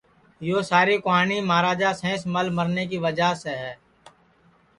یو ساری کُہانی مہاراجا سینس مل مرنے کی وجعہ سے ہے